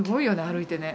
歩いてね。